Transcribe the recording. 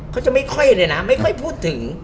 เขาจะไม่ค่อยพูดถึง